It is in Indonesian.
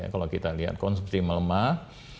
kalau kita lihat konsumsi melemah